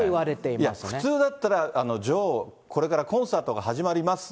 いや、普通だったら女王、これからコンサートが始まります。